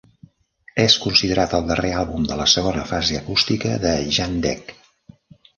Es considerat el darrer àlbum de la "segona fase acústica" de Jandek.